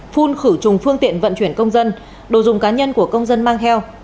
phun khử trùng phương tiện vận chuyển công dân đồ dùng cá nhân của công dân mang theo